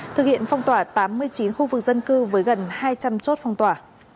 thực hiện phong tỏa tám mươi chín khu vực dân cư với gần hai trăm linh chốt phong tỏa